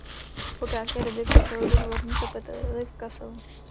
Po krátké době přešel do dvorní kapely v Kasselu.